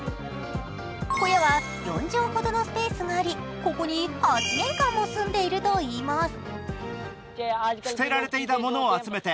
小屋は４畳ほどのスペースがあり、ここに８年間も住んでいるといいます。